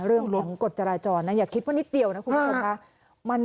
เรื่องของกฎจราจรนะอย่าคิดว่านิดเดียวนะคุณผู้ชมค่ะ